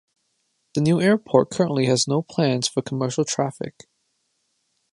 The new airport currently has no plans for commercial traffic.